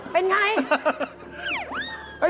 เป็นอย่างไร